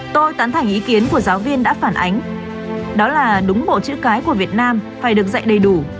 tôi tán thành ý kiến của giáo viên đã phản ánh đó là đúng bộ chữ cái của việt nam phải được dạy đầy đủ